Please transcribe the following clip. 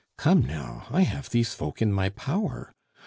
"Come now, I have these folk in my power.